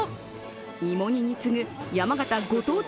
芋煮に次ぐ山形ご当地